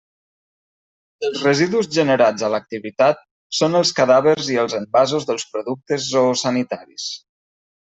Els residus generats a l'activitat són els cadàvers i els envasos dels productes zoosanitaris.